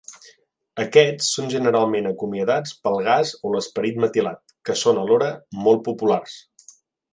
Aquests són generalment acomiadats pel gas o l'esperit metilat, que són alhora molt populars.